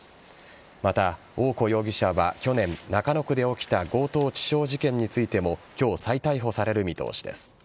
また、大古容疑者は去年中野区で起きた強盗致傷事件についても今日、再逮捕される見通しです。